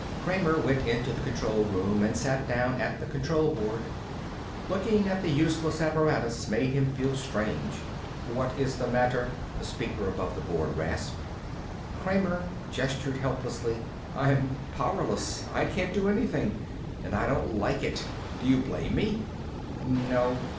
Kramer went into the control room and sat down at the control board. Looking at the useless apparatus made him feel strange. "What's the matter?" the speaker above the board rasped. Kramer gestured helplessly. "I'm powerless. I can't do anything. And I don't like it. Do you blame me?" "No.